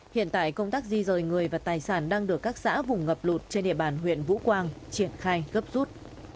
hiện tại công tác di rời người và tài sản đang được các xã vùng ngập lụt trên địa bàn huyện vũ quang triển khai gấp rút